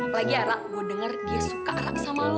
apalagi rah gue denger dia suka rah sama lo